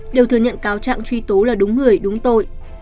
đều thừa nhận cáo trạng truy tố là đúng người đúng tội